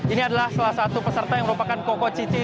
ini adalah salah satu peserta yang merupakan koko cici